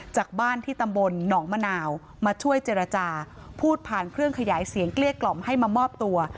จากบ้านที่ตำบลหนองมะนาวมาช่วยเจรจาพูดผ่านเครื่องขยายเสียงเกลี้ยกล่อมให้มามอบตัว